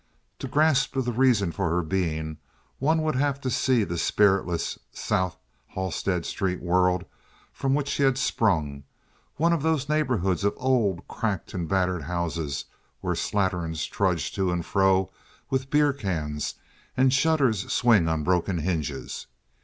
To grasp the reason for her being, one would have had to see the spiritless South Halstead Street world from which she had sprung—one of those neighborhoods of old, cracked, and battered houses where slatterns trudge to and fro with beer cans and shutters swing on broken hinges.